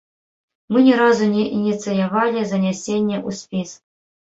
Мы ні разу не ініцыявалі занясенне ў спіс.